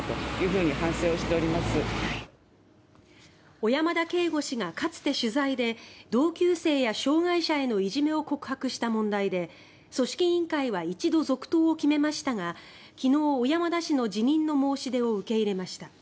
小山田圭吾氏がかつて取材で同級生や障害者へのいじめを告白した問題で組織委員会は一度、続投を決めましたが昨日、小山田氏の辞任の申し出を受け入れました。